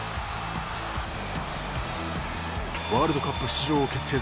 ワールドカップ出場を決定